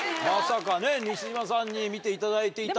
まさか西島さんに見ていただいて。